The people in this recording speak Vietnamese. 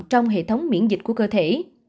trong hệ thống miễn dịch của cơ thể